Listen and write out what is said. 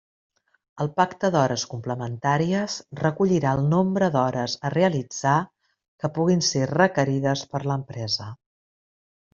El pacte d'hores complementàries recollirà el nombre d'hores a realitzar que puguin ser requerides per l'empresa.